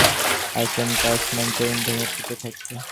আচমকা আসমান-জমিন ভেঙ্গে পড়তে থাকে।